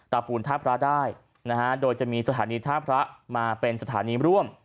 ปูนท่าพระได้นะฮะโดยจะมีสถานีท่าพระมาเป็นสถานีร่วม